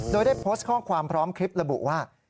โดยได้โพสต์ข้อความพร้อมคลิประบุว่า